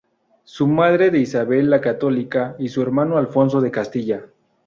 Fue madre de Isabel la Católica y su hermano Alfonso de Castilla.